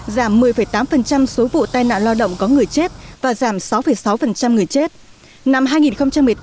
giảm một mươi tám số vụ tai nạn lao động có người chết và giảm sáu sáu người chết